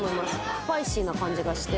スパイシーな感じがして。